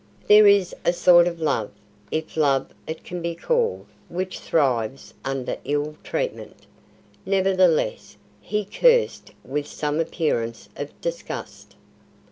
There is a sort of love if love it can be called which thrives under ill treatment. Nevertheless, he cursed with some appearance of disgust.